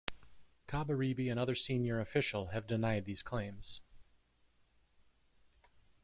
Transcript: Kabarebe and other senior official have denied these claims.